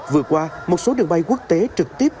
vừa qua một số đường bay quốc tế trực tiếp